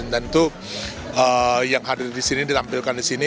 dan itu yang hadir di sini ditampilkan di sini